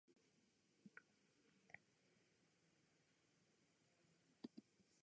These two barangays form the main public market district of the city.